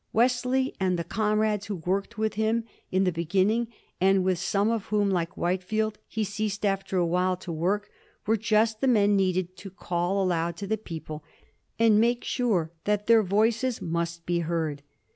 Wesley and the comrades who worked with him in the beginning, and with some of whom, like Whitefield, he ceased after a while to work, were just the men needed to call aloud to the people and make sure that their voices must be heard.